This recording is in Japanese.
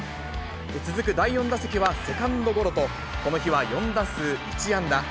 続く第４打席はセカンドゴロと、この日は４打数１安打。